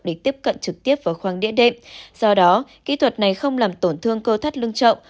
để tiếp cận trực tiếp vào khoang địa đệm do đó kỹ thuật này không làm tổn thương cơ thắt lưng trọng